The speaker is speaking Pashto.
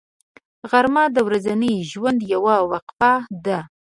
غرمه د ورځني ژوند یوه وقفه ده